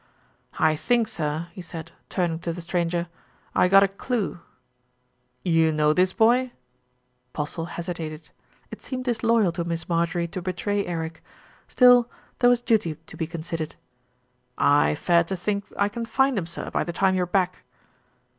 "I think, sir," he said, turning to the stranger, "I ha' got a clue." "You know this boy?" Postle hesitated. It seemed disloyal to Miss Mar jorie to betray Eric; still, there was duty to be con sidered. "I fare to think I can find him, sir, by the time you're back."